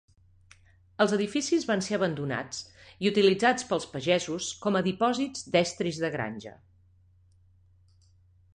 Els edificis van ser abandonats i utilitzats pels pagesos com a dipòsits d'estris de granja.